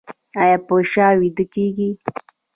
ایا په شا ویده کیږئ؟